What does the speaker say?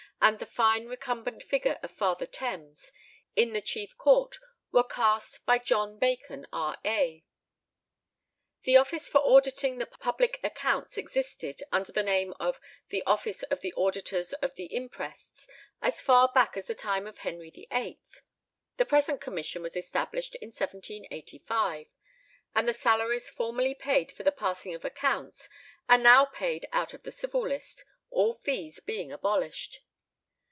and the fine recumbent figure of Father Thames, in the chief court, were cast by John Bacon, R.A. The office for auditing the public accounts existed, under the name of the Office of the Auditors of the Imprests, as far back as the time of Henry VIII. The present commission was established in 1785, and the salaries formerly paid for the passing of accounts are now paid out of the Civil List, all fees being abolished.